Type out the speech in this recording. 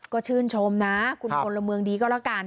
ก็ชื่นชมนะคุณพลเมืองดีก็แล้วกัน